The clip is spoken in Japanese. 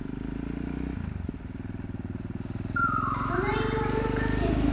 そないにおどろかんでも。